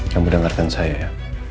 kamu dengarkan saya ya